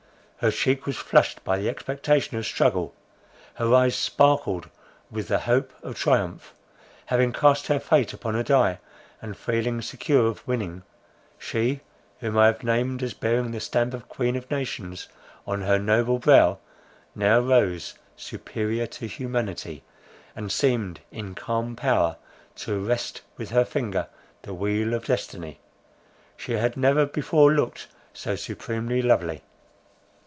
Her cheek was flushed by the expectation of struggle; her eyes sparkled with the hope of triumph. Having cast her fate upon a die, and feeling secure of winning, she, whom I have named as bearing the stamp of queen of nations on her noble brow, now rose superior to humanity, and seemed in calm power, to arrest with her finger, the wheel of destiny. She had never before looked so supremely lovely.